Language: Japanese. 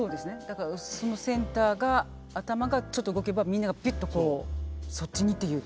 だからそのセンターが頭がちょっと動けばみんながビッとこうそっちにっていう。